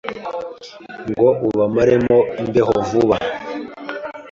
ngo ubamaremo imbeho vuba